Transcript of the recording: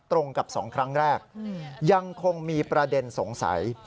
ตรงกับ๒ครั้งแรกยังคงมีประเด็นสงสัย